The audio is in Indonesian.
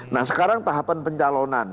nah sekarang tahapan pencalonan